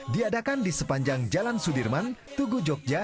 diadakan di sepanjang jalan sudirman tugu jogja